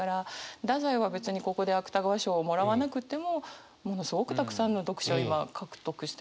太宰は別にここで芥川賞をもらわなくってもものすごくたくさんの読者を今獲得してるわけですからね。